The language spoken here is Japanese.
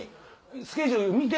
スケジュール見て！